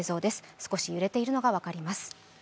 少し揺れているのが分かります。